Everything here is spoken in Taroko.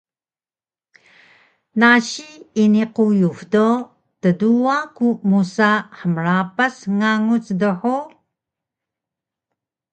Nasi ini quyux do tduwa ku musa hmrapas nganguc dhug?